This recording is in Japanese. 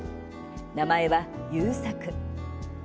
名前は勇作。